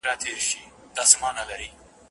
سږ کال مي ولیده لوېدلې وه له زوره ونه